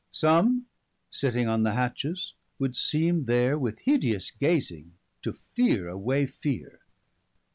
50 Some sitting on the hatches, would seeme there, With hideous gazing to feare away feare.